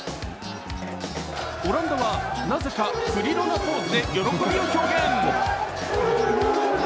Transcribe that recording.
オランダは、なぜかクリロナポーズで喜びを表現。